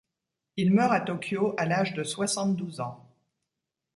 Il meurt à Tokyo à l'âge de soixante-douze ans.